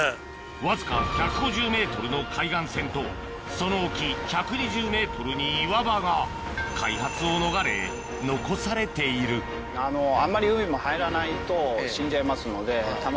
わずか１５０ｍの海岸線とその沖１２０ｍに岩場が開発を逃れ残されているそうですね。